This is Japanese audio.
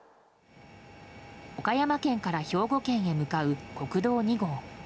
岡山県から兵庫県へ向かう国道２号。